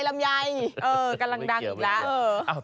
กำลังดังอีกแล้ว